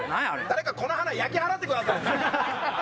誰かこの花焼き払ってくださいよ。